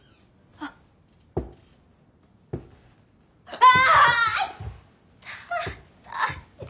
ああ。